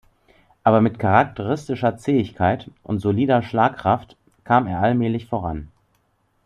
Aber mit charakteristischer Zähigkeit und solider Schlagkraft kam er allmählich voran.